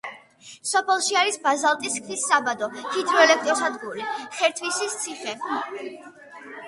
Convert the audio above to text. სოფელში არის ბაზალტის ქვის საბადო, ჰიდროელექტროსადგური, ხერთვისის ციხე.